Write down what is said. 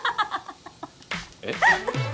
えっ？